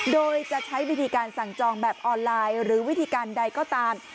โดยจะใช้วิธีการสั่งจองแบบออนไลน์หรือวิธีการใดก็ตาม